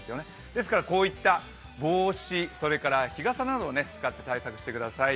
ですからこういった帽子、それから日傘などを使って対策してください。